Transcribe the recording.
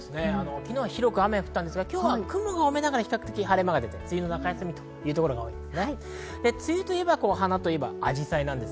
昨日は広く雨が降ったんですが、今日は雲が多めながら晴れ間がある、梅雨の中休みとなりそうです。